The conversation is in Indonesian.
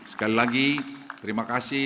sekali lagi terima kasih